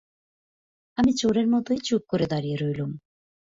আমি চোরের মতোই চুপ করে দাঁড়িয়ে রইলুম।